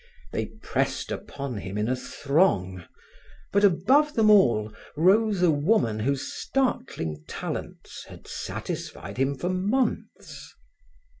They pressed upon him in a throng; but above them all rose a woman whose startling talents had satisfied him for months.